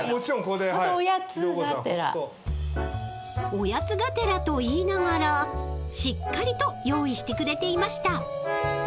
［おやつがてらと言いながらしっかりと用意してくれていました］